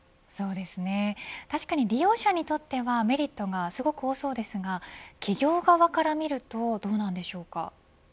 利用者にとってはメリットがすごく多そうですが企業側から見るとどうなんでしょうか。